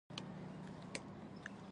اګوستوس په روم کې امپراتوري نظام رامنځته کړ